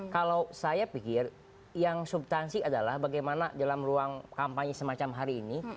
kalau saya pikir yang subtansi adalah bagaimana dalam ruang kampanye semacam hari ini